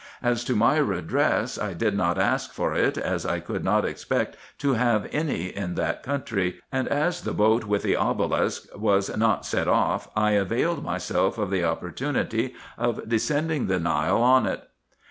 As to any redress, I did not ask for it, as I could not expect to have any in that country ; and as the boat with the obelisk was not set off I availed myself of the opportunity of descending the Nile in it.